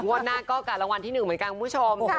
งวดหน้าก็กับรางวัลที่๑เหมือนกันคุณผู้ชม